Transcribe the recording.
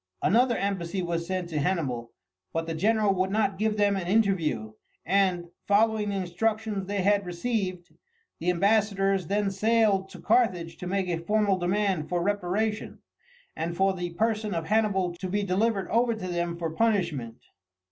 Another embassy was sent to Hannibal, but the general would not give them an interview, and, following the instructions they had received, the ambassadors then sailed to Carthage to make a formal demand for reparation, and for the person of Hannibal to be delivered over to them for punishment.